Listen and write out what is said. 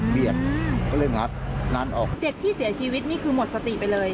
เบียดก็เริ่มหักนั้นออกเด็กที่เสียชีวิตนี้คือหมดสติไปเลย